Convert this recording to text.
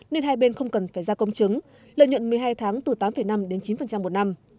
nên hai bên không cần phải ra công chứng lợi nhuận một mươi hai tháng từ tám năm đến chín một năm